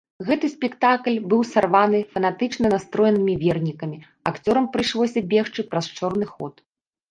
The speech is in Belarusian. Гэты спектакль быў сарваны фанатычна настроенымі вернікамі, акцёрам прыйшлося бегчы праз чорны ход.